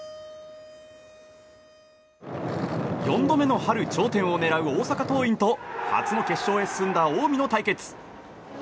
４度目の春頂点を狙う大阪桐蔭と初の決勝へ進んだ近江の対決。